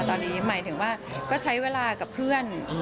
ตอนนี้หมายถึงว่าก็ใช้เวลากับเพื่อน